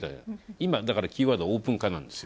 今、キーワードはオープン化なんですよ。